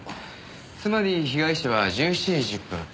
つまり被害者は１７時１０分